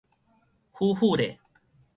拊拊咧